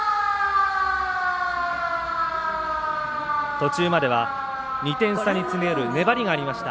途中までは、２点差に詰め寄る粘りがありました。